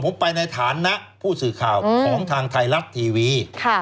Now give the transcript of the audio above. ผมไปในฐานะผู้สื่อข่าวของทางไทยรัฐทีวี